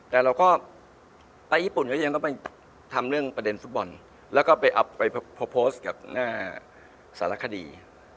แต่เราก็ไปญี่ปุ่นก็ยังต้องไปทำเรื่องประเด็นฟุตบอลแล้วก็ไปเอาไปโพสต์กับสารคดี